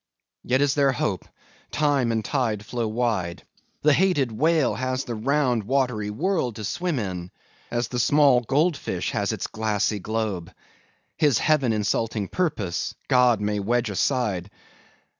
Yet is there hope. Time and tide flow wide. The hated whale has the round watery world to swim in, as the small gold fish has its glassy globe. His heaven insulting purpose, God may wedge aside.